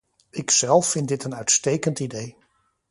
Ikzelf vind dit een uitstekend idee.